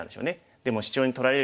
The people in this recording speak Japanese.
でもシチョウに取られる。